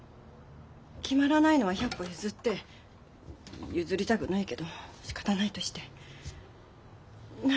決まらないのは百歩譲って譲りたくないけどしかたないとしてなら籍はいつ入れるの？